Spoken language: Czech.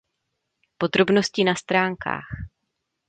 Podrobnosti na stránkách.